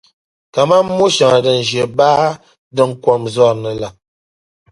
kaman mo’ shɛŋa din ʒe baa din kom zɔri ni la.